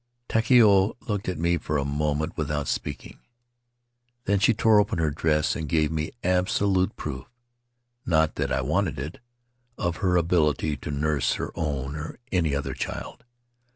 Takiero looked at me for a moment without speaking. Then she tore open her dress and gave me absolute proof — not that I wanted it — of her ability to nurse her own or any other child.